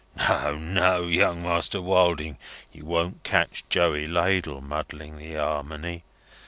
No, no, Young Master Wilding, you won't catch Joey Ladle muddling the Armony.